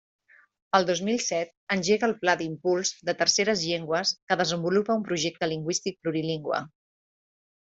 El dos mil set, engega el Pla d'Impuls de Terceres Llengües que desenvolupa un projecte lingüístic plurilingüe.